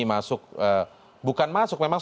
masuk bukan masuk memang